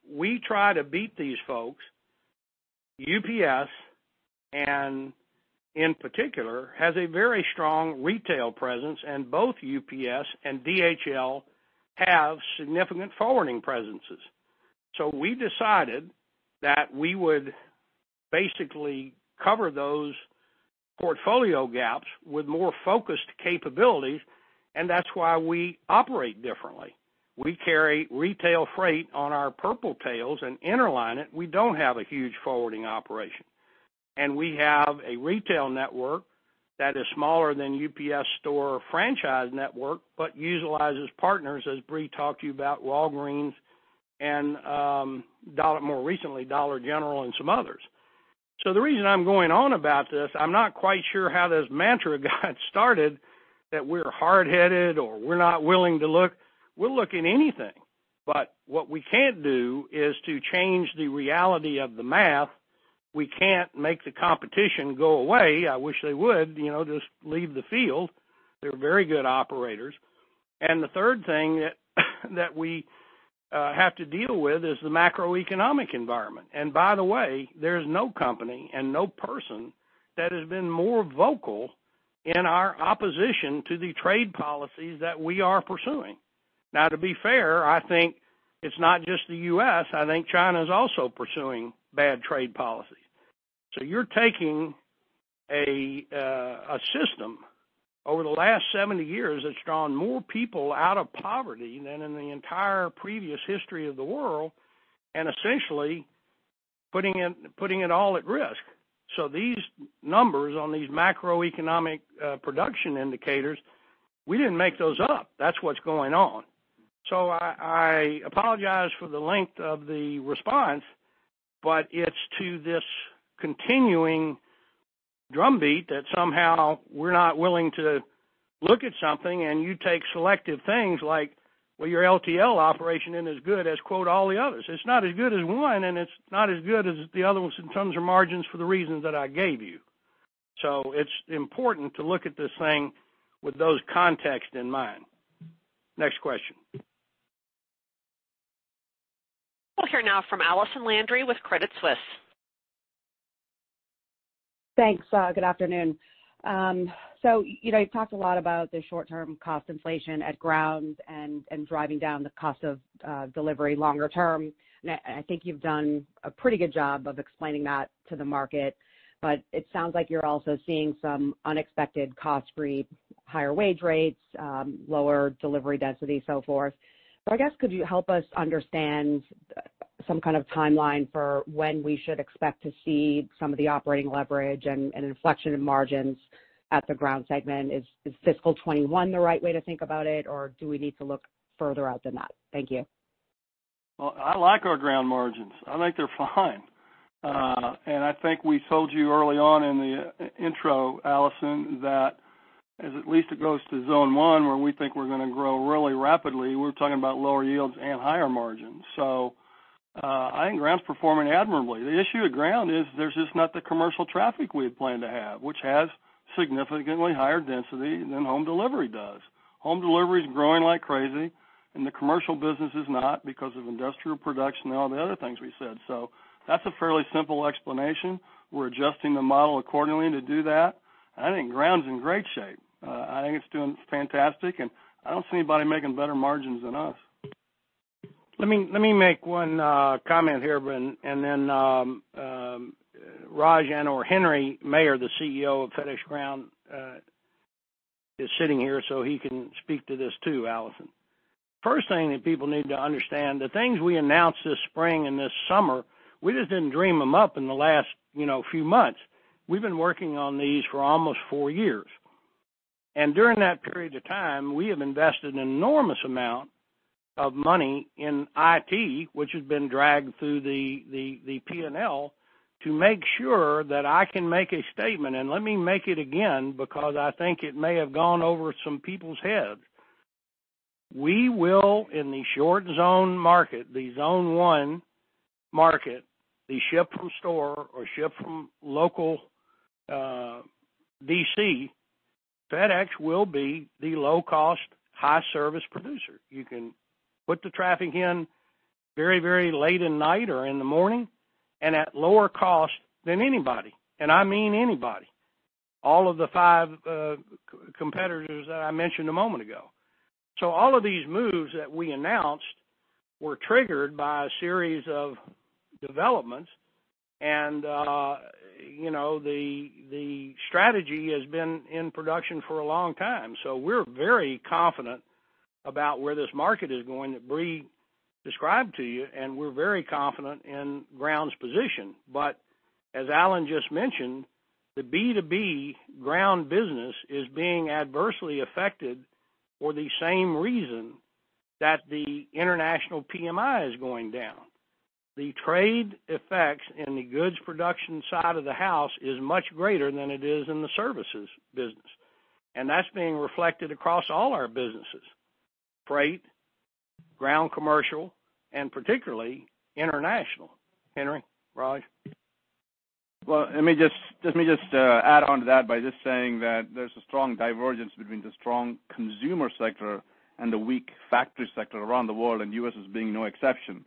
Speaker 3: We try to beat these folks. UPS, and in particular, has a very strong retail presence, and both UPS and DHL have significant forwarding presences. We decided that we would basically cover those portfolio gaps with more focused capabilities, and that's why we operate differently. We carry retail freight on our purple tails and interline it. We don't have a huge forwarding operation. We have a retail network that is smaller than UPS Store franchise network, but utilizes partners, as Brie talked to you about Walgreens and more recently, Dollar General and some others. The reason I'm going on about this, I'm not quite sure how this mantra got started that we're hard-headed or we're not willing to look. We'll look in anything. What we can't do is to change the reality of the math. We can't make the competition go away. I wish they would just leave the field. They're very good operators. The third thing that we have to deal with is the macroeconomic environment. By the way, there's no company and no person that has been more vocal in our opposition to the trade policies that we are pursuing. To be fair, I think it's not just the U.S., I think China is also pursuing bad trade policies. You're taking a system over the last 70 years that's drawn more people out of poverty than in the entire previous history of the world, and essentially putting it all at risk. These numbers on these macroeconomic production indicators, we didn't make those up. That's what's going on. I apologize for the length of the response, but it's to this continuing drumbeat that somehow we're not willing to look at something and you take selective things like, well, your LTL operation isn't as good as quote, all the others. It's not as good as one, and it's not as good as the other ones in terms of margins for the reasons that I gave you. It's important to look at this thing with those context in mind. Next question.
Speaker 1: We'll hear now from Allison Landry with Credit Suisse.
Speaker 11: Thanks. Good afternoon. You talked a lot about the short-term cost inflation at Ground and driving down the cost of delivery longer term. I think you've done a pretty good job of explaining that to the market, but it sounds like you're also seeing some unexpected costs breed higher wage rates, lower delivery density, so forth. I guess, could you help us understand some kind of timeline for when we should expect to see some of the operating leverage and inflection in margins at the Ground segment? Is fiscal 2021 the right way to think about it, or do we need to look further out than that? Thank you.
Speaker 6: Well, I like our Ground margins. I think we told you early on in the intro, Allison, that as at least it goes to Zone 1 where we think we're going to grow really rapidly, we're talking about lower yields and higher margins. I think Ground is performing admirably. The issue with Ground is there's just not the commercial traffic we had planned to have, which has significantly higher density than home delivery does. Home delivery is growing like crazy, and the commercial business is not because of industrial production and all the other things we said. That's a fairly simple explanation. We're adjusting the model accordingly to do that. I think Ground's in great shape. I think it's doing fantastic, and I don't see anybody making better margins than us.
Speaker 3: Let me make one comment here. Then Raj and/or Henry J. Maier, the CEO of FedEx Ground, is sitting here, so he can speak to this too, Allison. First thing that people need to understand, the things we announced this spring and this summer, we just didn't dream them up in the last few months. We've been working on these for almost four years. During that period of time, we have invested an enormous amount of money in IT, which has been dragged through the P&L to make sure that I can make a statement. Let me make it again, because I think it may have gone over some people's heads. We will, in the short Zone 1 market, the Zone 1 market, the ship from store or ship from local DC, FedEx will be the low-cost, high-service producer. You can put the traffic in very late at night or in the morning, at lower cost than anybody. I mean anybody. All of the five competitors that I mentioned a moment ago. All of these moves that we announced were triggered by a series of developments, the strategy has been in production for a long time. We're very confident about where this market is going that Brie described to you, we're very confident in Ground's position. As Alan just mentioned, the B2B Ground business is being adversely affected for the same reason that the international PMI is going down. The trade effects in the goods production side of the house is much greater than it is in the services business. That's being reflected across all our businesses, Freight, Ground Commercial, and particularly International. Henry, Raj?
Speaker 5: Well, let me just add onto that by just saying that there's a strong divergence between the strong consumer sector and the weak factory sector around the world, and U.S. is being no exception.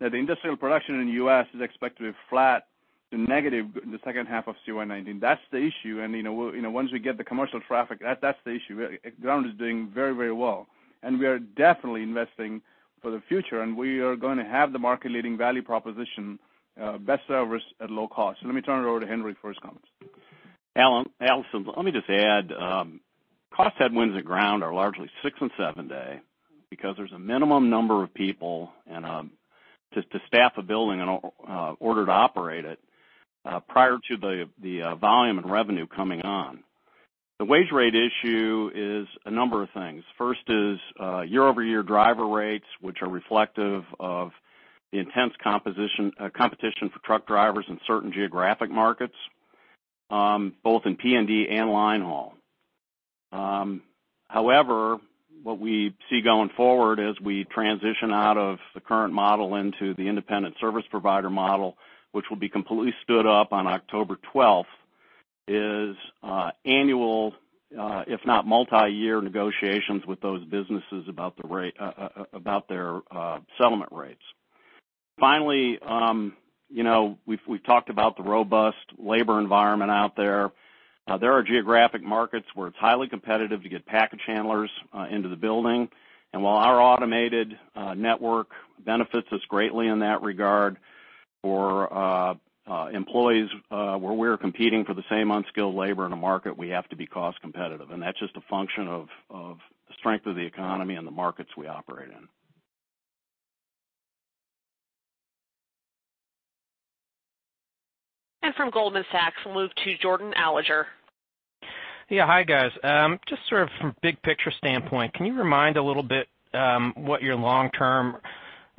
Speaker 5: The industrial production in the U.S. is expected to be flat to negative in the second half of 2019. That's the issue. Once we get the commercial traffic, that's the issue. Ground is doing very well. We are definitely investing for the future, and we are going to have the market-leading value proposition, best service at low cost. Let me turn it over to Henry for his comments.
Speaker 12: Alan, Allison, let me just add, cost headwinds at FedEx Ground are largely six and seven-day because there's a minimum number of people to staff a building in order to operate it prior to the volume and revenue coming on. The wage rate issue is a number of things. First is year-over-year driver rates, which are reflective of the intense competition for truck drivers in certain geographic markets both in P&D and line haul. However, what we see going forward as we transition out of the current model into the independent service provider model, which will be completely stood up on October 12th, is annual, if not multi-year negotiations with those businesses about their settlement rates. Finally, we've talked about the robust labor environment out there. There are geographic markets where it's highly competitive to get package handlers into the building. While our automated network benefits us greatly in that regard for employees where we're competing for the same unskilled labor in a market, we have to be cost competitive. That's just a function of the strength of the economy and the markets we operate in.
Speaker 1: From Goldman Sachs, we'll move to Jordan Alliger.
Speaker 13: Yeah. Hi, guys. Just from a big picture standpoint, can you remind a little bit what your long-term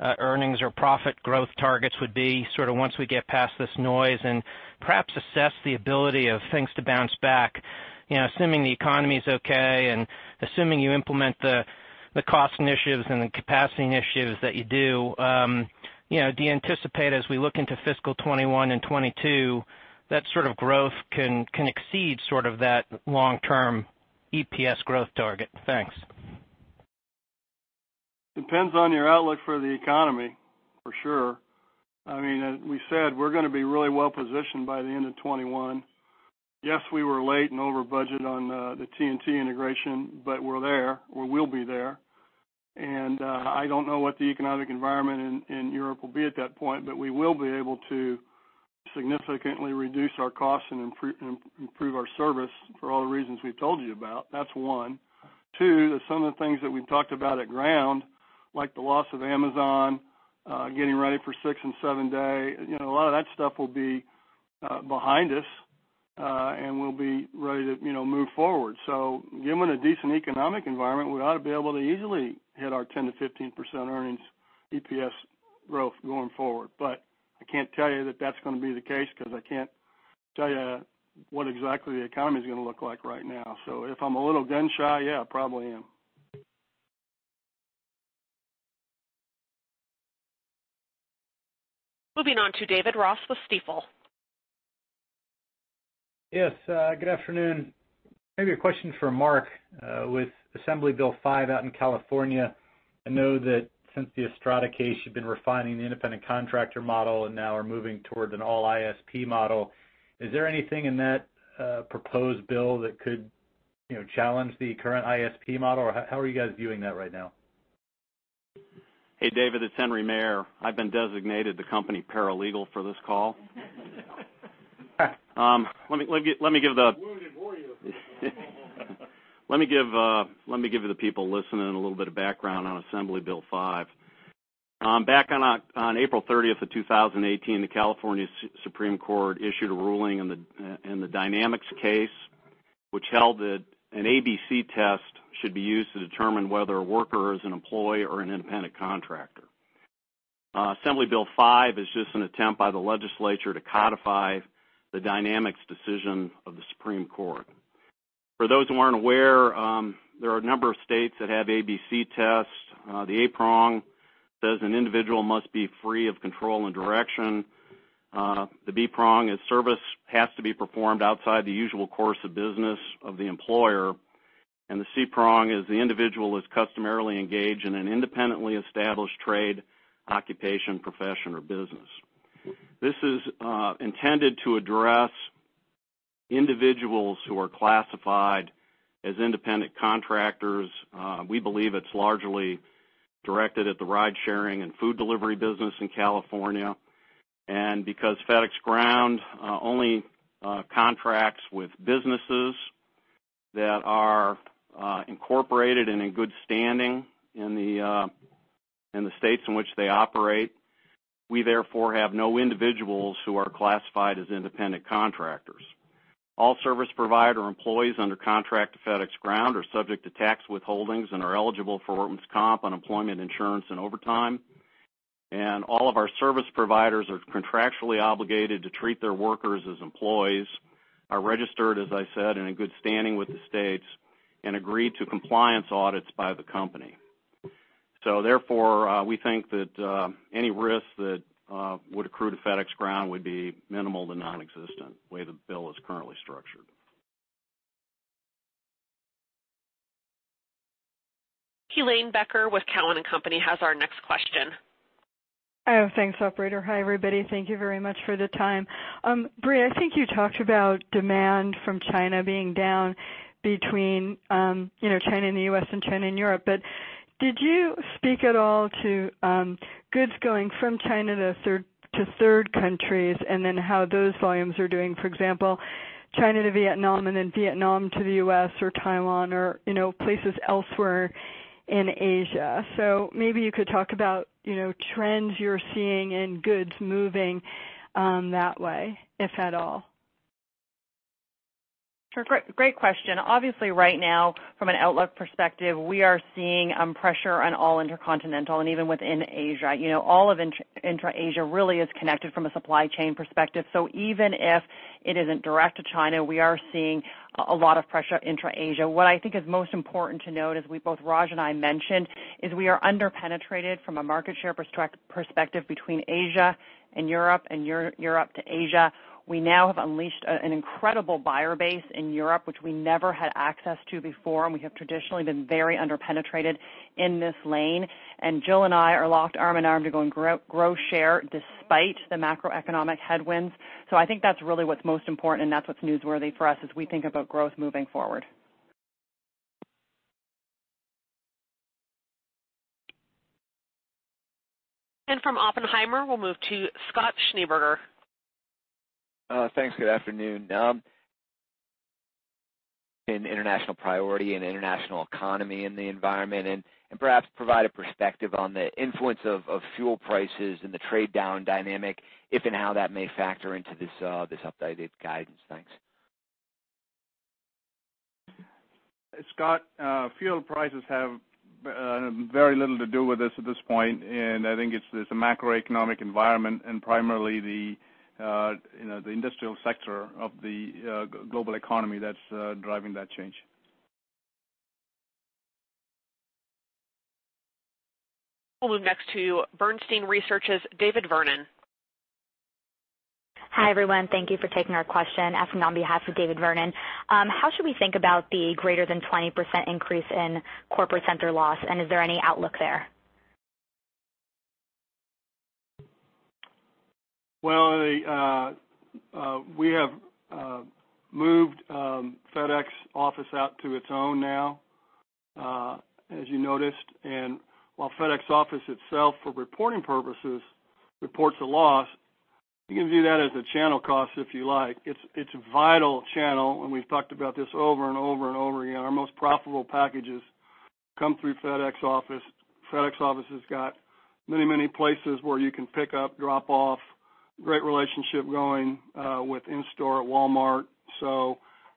Speaker 13: earnings or profit growth targets would be once we get past this noise and perhaps assess the ability of things to bounce back, assuming the economy's okay and assuming you implement the cost initiatives and the capacity initiatives that you do you anticipate as we look into fiscal 2021 and 2022, that sort of growth can exceed that long-term EPS growth target? Thanks.
Speaker 3: Depends on your outlook for the economy, for sure. As we said, we're going to be really well-positioned by the end of 2021. Yes, we were late and over budget on the TNT integration, but we're there, or we'll be there. I don't know what the economic environment in Europe will be at that point, but we will be able to significantly reduce our costs and improve our service for all the reasons we've told you about. That's one. Two, some of the things that we've talked about at Ground, like the loss of Amazon, getting ready for six and seven-day, a lot of that stuff will be behind us, and we'll be ready to move forward. Given a decent economic environment, we ought to be able to easily hit our 10%-15% earnings EPS growth going forward. I can't tell you that that's going to be the case because I can't tell you what exactly the economy's going to look like right now. If I'm a little gun-shy, yeah, I probably am.
Speaker 1: Moving on to David Ross with Stifel.
Speaker 14: Yes. Good afternoon. Maybe a question for Mark. With Assembly Bill 5 out in California, I know that since the Estrada case, you've been refining the independent contractor model and now are moving towards an all ISP model. Is there anything in that proposed bill that could challenge the current ISP model, or how are you guys viewing that right now?
Speaker 12: Hey, David, it's Henry Maier. I've been designated the company paralegal for this call.
Speaker 3: Wounded warrior.
Speaker 12: Let me give the people listening a little bit of background on Assembly Bill 5. Back on April 30th of 2018, the Supreme Court of California issued a ruling in the Dynamex case, which held that an ABC test should be used to determine whether a worker is an employee or an independent contractor. Assembly Bill 5 is just an attempt by the legislature to codify the Dynamex decision of the Supreme Court. For those who aren't aware, there are a number of states that have ABC tests. The A prong says an individual must be free of control and direction. The B prong is service has to be performed outside the usual course of business of the employer. The C prong is the individual is customarily engaged in an independently established trade, occupation, profession, or business. This is intended to address individuals who are classified as independent contractors. We believe it's largely directed at the ride-sharing and food delivery business in California. Because FedEx Ground only contracts with businesses that are incorporated and in good standing in the states in which they operate, we therefore have no individuals who are classified as independent contractors. All service provider employees under contract to FedEx Ground are subject to tax withholdings and are eligible for workers' comp, unemployment insurance, and overtime. All of our service providers are contractually obligated to treat their workers as employees, are registered, as I said, in a good standing with the states, and agree to compliance audits by the company. Therefore, we think that any risk that would accrue to FedEx Ground would be minimal to non-existent way the bill is currently structured.
Speaker 1: Helane Becker with Cowen and Company has our next question.
Speaker 15: Oh, thanks, operator. Hi, everybody. Thank you very much for the time. Brie, I think you talked about demand from China being down between China and the U.S. and China and Europe. Did you speak at all to goods going from China to third countries, and then how those volumes are doing? For example, China to Vietnam, and then Vietnam to the U.S. or Taiwan or places elsewhere in Asia. Maybe you could talk about trends you're seeing in goods moving that way, if at all.
Speaker 4: Sure. Great question. Obviously, right now, from an outlook perspective, we are seeing pressure on all intercontinental and even within Asia. All of intra-Asia really is connected from a supply chain perspective. Even if it isn't direct to China, we are seeing a lot of pressure intra-Asia. What I think is most important to note, as we both, Raj and I mentioned, is we are under-penetrated from a market share perspective between Asia and Europe and Europe to Asia. We now have unleashed an incredible buyer base in Europe, which we never had access to before, and we have traditionally been very under-penetrated in this lane. Jill and I are locked arm in arm to go and grow share despite the macroeconomic headwinds. I think that's really what's most important, and that's what's newsworthy for us as we think about growth moving forward.
Speaker 1: From Oppenheimer, we'll move to Scott Schneeberger.
Speaker 16: Thanks. Good afternoon. In International Priority and International Economy in the environment, perhaps provide a perspective on the influence of fuel prices and the trade down dynamic, if and how that may factor into this updated guidance. Thanks.
Speaker 6: Scott, fuel prices have very little to do with this at this point, and I think it's the macroeconomic environment and primarily the industrial sector of the global economy that's driving that change.
Speaker 1: We'll move next to Bernstein Research's David Vernon.
Speaker 17: Hi, everyone. Thank you for taking our question. Asking on behalf of David Vernon. How should we think about the greater than 20% increase in Corporate Center loss? Is there any outlook there?
Speaker 6: Well, we have moved FedEx Office out to its own now, as you noticed. While FedEx Office itself, for reporting purposes, reports a loss, you can view that as a channel cost if you like. It's a vital channel, and we've talked about this over and over and over again. Our most profitable packages come through FedEx Office. FedEx Office has got many places where you can pick up, drop off. Great relationship going with in-store at Walmart.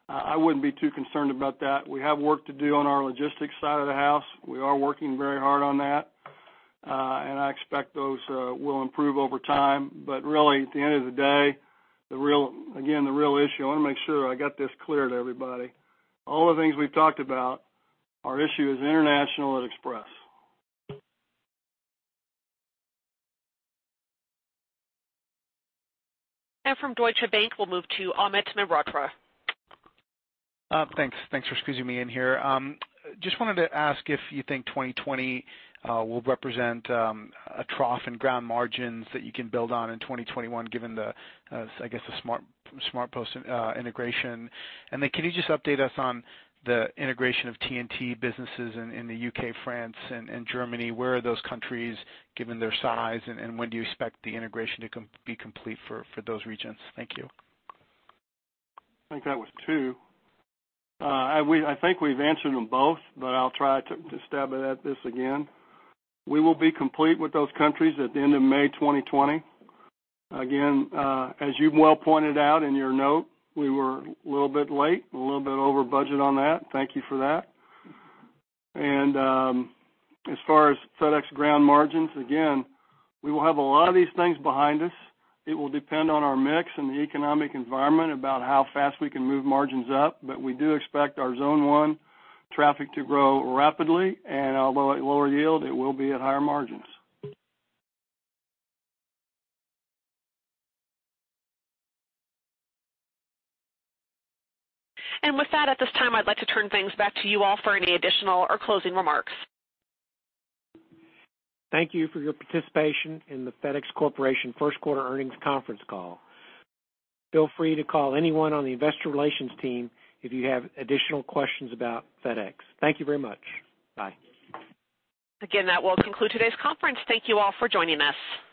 Speaker 6: I wouldn't be too concerned about that. We have work to do on our logistics side of the house. We are working very hard on that. I expect those will improve over time. Really, at the end of the day, again, the real issue, I want to make sure I got this clear to everybody. All the things we've talked about, our issue is international and Express.
Speaker 1: From Deutsche Bank, we'll move to Amit Mehrotra.
Speaker 18: Thanks for squeezing me in here. Just wanted to ask if you think 2020 will represent a trough in Ground margins that you can build on in 2021 given the, I guess, the SmartPost integration. Then can you just update us on the integration of TNT businesses in the U.K., France, and Germany? Where are those countries given their size, when do you expect the integration to be complete for those regions? Thank you.
Speaker 6: I think that was two. I think we've answered them both, but I'll try to stab at this again. We will be complete with those countries at the end of May 2020. As you well pointed out in your note, we were a little bit late and a little bit over budget on that. Thank you for that. As far as FedEx Ground margins, we will have a lot of these things behind us. It will depend on our mix and the economic environment about how fast we can move margins up. We do expect our Zone 1 traffic to grow rapidly, and although at lower yield, it will be at higher margins.
Speaker 1: With that, at this time, I'd like to turn things back to you all for any additional or closing remarks.
Speaker 2: Thank you for your participation in the FedEx Corporation first quarter earnings conference call. Feel free to call anyone on the investor relations team if you have additional questions about FedEx. Thank you very much. Bye.
Speaker 1: Again, that will conclude today's conference. Thank you all for joining us.